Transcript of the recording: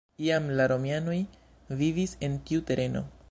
Jam la romianoj vivis en tiu tereno.